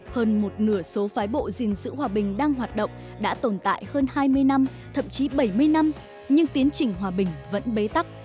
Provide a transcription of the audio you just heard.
hơn một nửa số phái bộ gìn giữ hòa bình đang hoạt động đã tồn tại hơn hai mươi năm thậm chí bảy mươi năm nhưng tiến trình hòa bình vẫn bế tắc